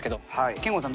憲剛さん